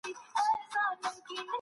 څه شی استازی له لوی ګواښ سره مخ کوي؟